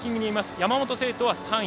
山本聖途は３位。